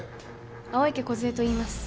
青池梢といいます。